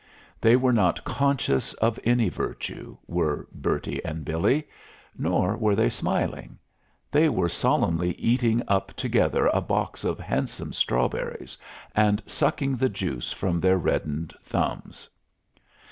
They were not conscious of any virtue, were Bertie and Billy, nor were they smiling. They were solemnly eating up together a box of handsome strawberries and sucking the juice from their reddened thumbs.